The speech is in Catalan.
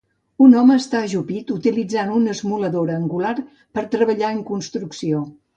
Un home està ajupit utilitzant una esmoladora angular per treballar en construcció.